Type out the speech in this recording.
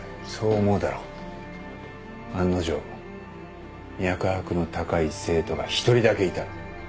案の定脈拍の高い生徒が一人だけいた。